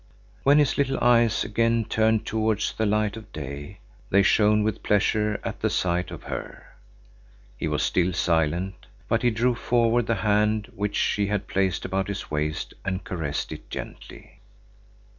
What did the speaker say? When his little eyes again turned towards the light of day, they shone with pleasure at the sight of her. He was still silent; but he drew forward the hand which she had placed about his waist and caressed it gently.